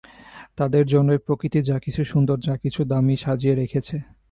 তাদের জন্যেই প্রকৃতি যা-কিছু সুন্দর, যা-কিছু দামি সাজিয়ে রেখেছে।